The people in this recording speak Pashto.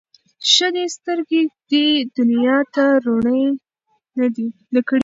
ښه دی سترګي دي دنیا ته روڼي نه کړې